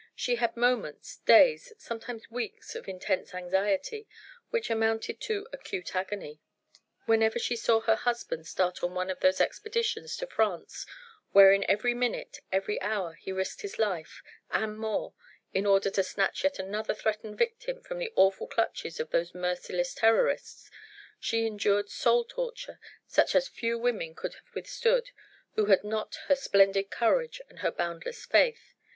She had moments days sometimes weeks of intense anxiety, which amounted to acute agony. Whenever she saw her husband start on one of those expeditions to France wherein every minute, every hour, he risked his life and more in order to snatch yet another threatened victim from the awful clutches of those merciless Terrorists, she endured soul torture such as few women could have withstood who had not her splendid courage and her boundless faith.